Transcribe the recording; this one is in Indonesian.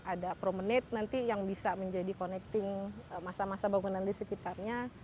ada prominate nanti yang bisa menjadi connecting masa masa bangunan di sekitarnya